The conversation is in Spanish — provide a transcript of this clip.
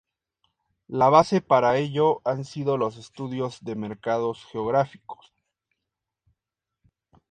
La base para ello han sido los estudios de mercados geográficos.